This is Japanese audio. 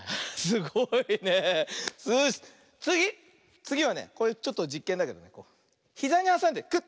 つぎはねちょっとじっけんだけどひざにはさんでクッ。